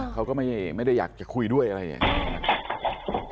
เขาก็ไม่ได้อยากจะคุยด้วยอะไรอย่างนี้